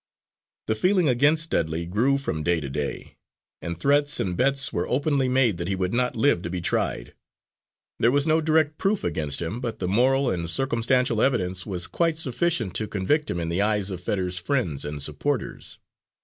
The feeling against Dudley grew from day to day, and threats and bets were openly made that he would not live to be tried. There was no direct proof against him, but the moral and circumstantial evidence was quite sufficient to convict him in the eyes of Fetter's friends and supporters.